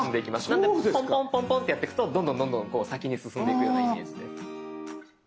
なのでポンポンポンポンってやってくとどんどんどんどん先に進んでいくようなイメージです。